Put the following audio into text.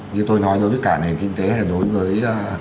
như tôi nói đối với cả nền kinh tế là đối với